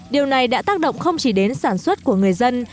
điều này đã tác động không chỉ đến sản xuất của người dân